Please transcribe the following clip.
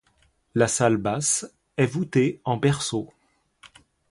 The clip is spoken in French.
La salle basse est voûtée en berceau.